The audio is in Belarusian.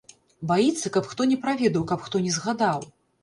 Баіцца, каб хто не праведаў, каб хто не згадаў.